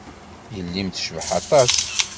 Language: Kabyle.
Yelli-m tecbeḥ aṭas.